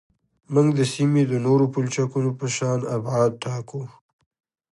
موږ د سیمې د نورو پلچکونو په شان ابعاد ټاکو